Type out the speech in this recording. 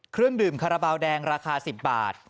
เครื่องดื่มคาราบาลแดงราคา๑๐บาท